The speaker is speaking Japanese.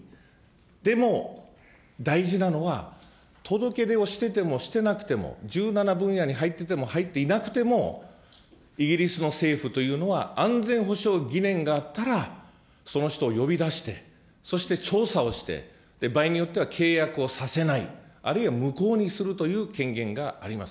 でも、大事なのは、届け出をしててもしてなくても、１７分野に入っていても入っていなくても、イギリスの政府というのは、安全保障疑念があったら、その人を呼び出して、そして調査をして、場合によっては契約をさせない、あるいは無効にするという権限があります。